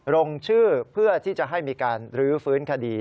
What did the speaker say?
ลงชื่อเพื่อที่จะให้มีการรื้อฟื้นคดี